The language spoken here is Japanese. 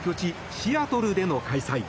シアトルでの開催。